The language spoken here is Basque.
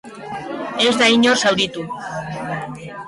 Ez da inor zauritu.